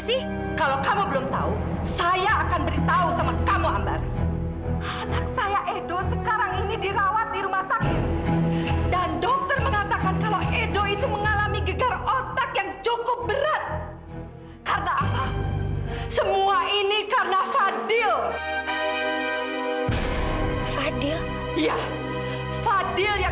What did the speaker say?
sampai jumpa di video selanjutnya